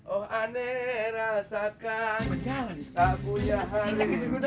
oh aneh rasakan tak punya hari